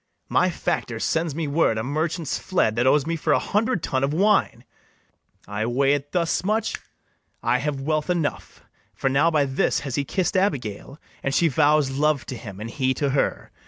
My factor sends me word a merchant's fled That owes me for a hundred tun of wine: I weigh it thus much[snapping his fingers]! I have wealth enough; For now by this has he kiss'd Abigail, And she vows love to him, and he to her.